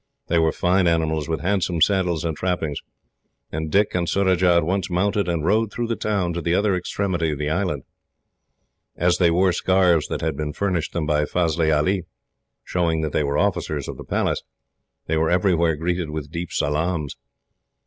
They were fine animals, with handsome saddles and trappings, and Dick and Surajah at once mounted, and rode through the town to the other extremity of the island. As they wore scarves that had been furnished them by Fazli Ali, showing that they were officers of the Palace, they were everywhere greeted with deep salaams.